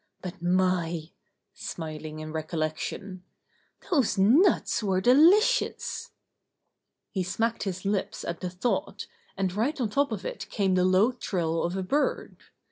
But my I" — smiling in recollection — "those nuts were delicious 1'' He smacked his lips at the thought, and right on top of it came the low trill of a bird.